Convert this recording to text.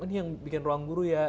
ini yang bikin ruangguru ya